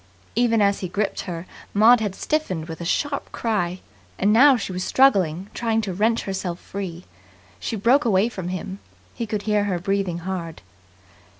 Even as he gripped her, Maud had stiffened with a sharp cry; and now she was struggling, trying to wrench herself free. She broke away from him. He could hear her breathing hard.